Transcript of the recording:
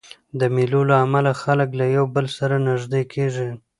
د مېلو له امله خلک له یو بل سره نږدې کېږي.